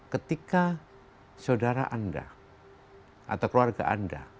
ketika saudara anda atau keluarga anda